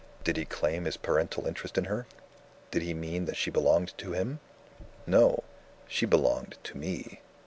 Did he claim his parental interest in her? Did he mean that she belonged to him? No! she belonged to me.